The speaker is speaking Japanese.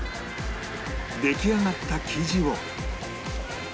出来上がった生地を